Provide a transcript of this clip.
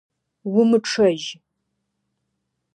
Умычъэжь!